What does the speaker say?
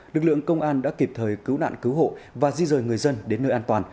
lực lượng công an đã kịp thời cứu nạn cứu hộ và di rời người dân đến nơi an toàn